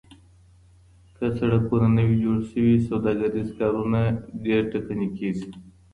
که سړکونه نه وي جوړ سوي سوداګريز کارونه ډېر ټکني کيږي.